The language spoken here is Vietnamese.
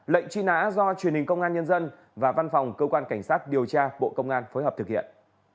lệnh truy nã do truyền hình công an nhân dân và văn phòng cơ quan cảnh sát điều tra bộ công an phối hợp thực hiện